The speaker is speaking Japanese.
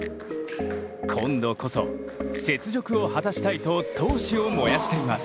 今度こそ雪辱を果たしたいと闘志を燃やしています。